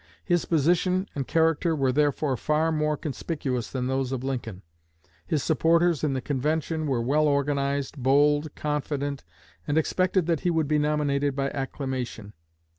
His position and career were therefore far more conspicuous than those of Lincoln. His supporters in the convention were well organized, bold, confident, and expected that he would be nominated by acclamation.